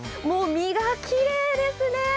身がきれいですね。